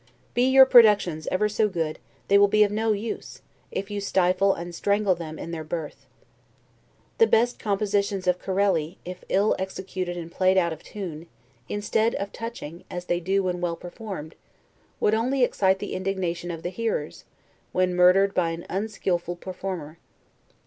Be your productions ever so good, they will be of no use, if you stifle and strangle them in their birth. The best compositions of Corelli, if ill executed and played out of tune, instead of touching, as they do when well performed, would only excite the indignation of the hearer's, when murdered by an unskillful performer.